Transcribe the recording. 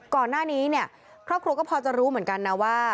ก่อนหน้านี้เนี่ยครอบครัวก็พอจะรู้เหมือนกันนะว่า